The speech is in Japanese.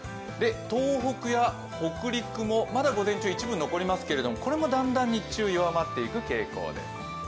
東北や北陸もまだ午前中、一部残りますけれども、これもだんだん日中、弱っていく傾向です。